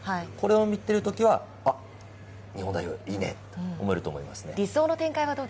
これを見ているときは、あ、日本代表いいねってなると思います。